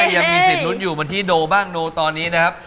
ยังมีสิทธิลุ้นอยู่บนที่โนบ้างโนตอนนี้นะครับ